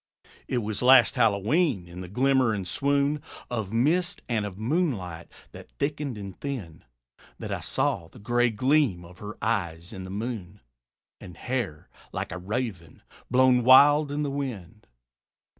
It was last Hallowe'en in the glimmer and swoon Of mist and of moonlight that thickened and thinned, That I saw the gray gleam of her eyes in the moon, And hair, like a raven, blown wild in the wind.